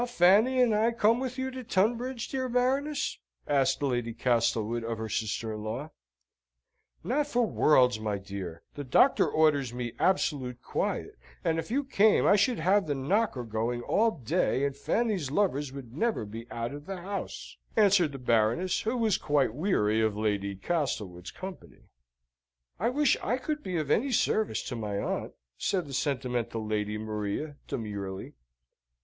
"Shall Fanny and I come with you to Tunbridge, dear Baroness?" asked Lady Castlewood of her sister in law. "Not for worlds, my dear! The doctor orders me absolute quiet, and if you came I should have the knocker going all day, and Fanny's lovers would never be out of the house," answered the Baroness, who was quite weary of Lady Castlewood's company. "I wish I could be of any service to my aunt!" said the sentimental Lady Maria, demurely.